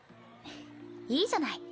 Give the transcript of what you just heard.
いいじゃない。